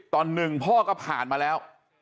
ตอนหนึ่งพ่อก็ผ่านมาแล้ว